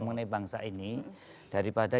mengenai bangsa ini daripada